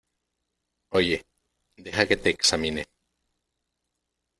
oye, deja que te examine.